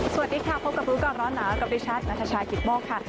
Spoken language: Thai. สวัสดีค่ะพบกับรู้ก่อนร้อนหนาวกับดิฉันนัทชายกิตโมกค่ะ